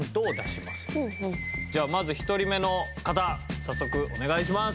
じゃあまず１人目の方早速お願いします！